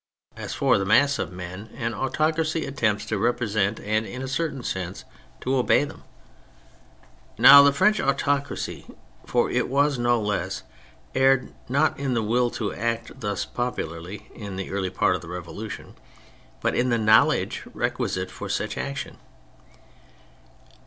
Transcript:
As for the mass of men an Autocracy attempts to represent and, in a certain sense, to obey them Now the French autocracy (for it was no less) erred not in the will to act thus popu larly in the early part of the Revolution, but in the knowledge requisite for such action.